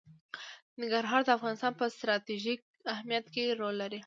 ننګرهار د افغانستان په ستراتیژیک اهمیت کې رول لري.